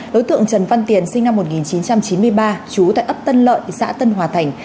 đối tượng trần văn tiền sinh năm một nghìn chín trăm chín mươi ba trú tại ấp tân lợi xã tân hòa thành